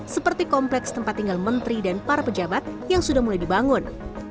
seperti kompleks tempat tinggal menteri dan para pejabat yang sudah mulai dibangun